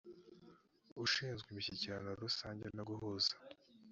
ushinzwe imishyikirano rusange no guhuza